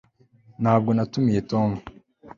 ntabwo natumiye tom